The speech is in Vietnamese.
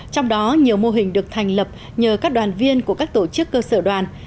trong đó nhiều mô hình được thành lập nhờ các đoàn viên của các tổ chức cơ sở đoàn